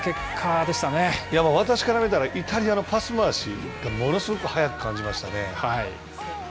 私から見たらイタリアのパス回しがものすごく速く感じましたね。